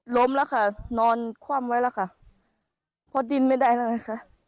ล้มแล้วค่ะนอนคว่ำไว้แล้วค่ะเพราะดินไม่ได้เลยค่ะ